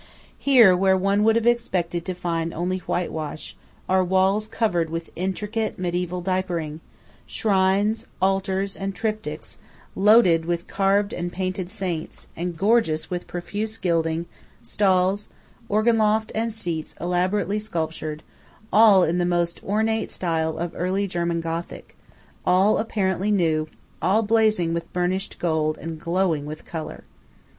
Here, where one would have expected to find only whitewash, are walls covered with intricate mediæval diapering; shrines, altars and triptychs loaded with carved and painted saints, and gorgeous with profuse gilding; stalls, organ loft, and seats elaborately sculptured; all in the most ornate style of early German Gothic; all apparently new; all blazing with burnished gold and glowing with colour.